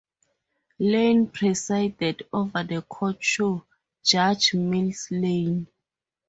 Lane presided over the court show, "Judge Mills Lane".